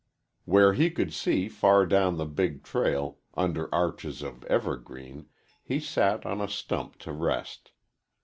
Where he could see far down the big trail, under arches of evergreen, he sat on a stump to rest.